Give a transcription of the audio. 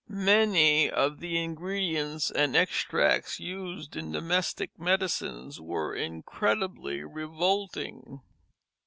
Many of the ingredients and extracts used in domestic medicines were incredibly revolting.